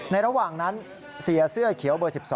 ระหว่างนั้นเสียเสื้อเขียวเบอร์๑๒